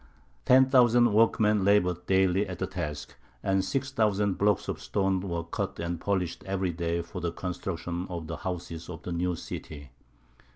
Ten thousand workmen laboured daily at the task, and six thousand blocks of stone were cut and polished every day for the construction of the houses of the new city.